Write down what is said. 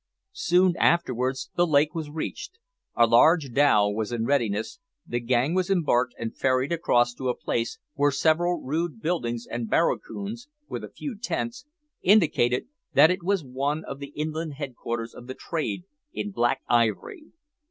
Soon afterwards the lake was reached. A large dhow was in readiness, the gang was embarked and ferried across to a place where several rude buildings and barracoons, with a few tents, indicated that it was one of the inland headquarters of the trade in Black Ivory.